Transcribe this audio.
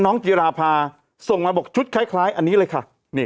จิราภาส่งมาบอกชุดคล้ายอันนี้เลยค่ะ